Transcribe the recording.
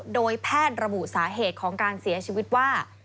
โดยแพทย์ระบุสาเหตุของการเสียชีวิตว่า